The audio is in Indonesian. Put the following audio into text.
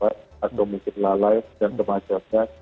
atau mungkin lalai dan semacamnya